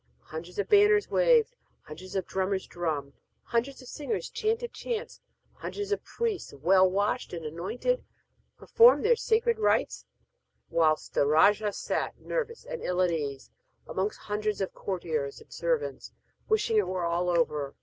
Hundreds of banners waved, hundreds of drummers drummed, hundreds of singers chanted chants, hundreds of priests, well washed and anointed, performed their sacred rites, whilst the rajah sat, nervous and ill at ease, amongst hundreds of courtiers and servants, wishing it were all well over.